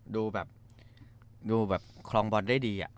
ดูแบบคลองบอลได้ดีอ่ะ